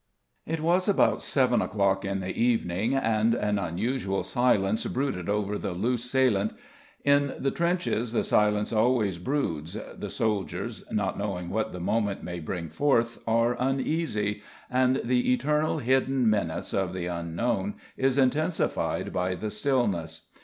"_) It was about seven o'clock in the evening and an unusual silence brooded over the Loos Salient. In the trenches the silence always broods; the soldiers, not knowing what the moment may bring forth, are uneasy; and the eternal hidden menace of the Unknown is intensified by the stillness.